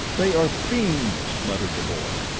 "They are fiends," muttered the boy.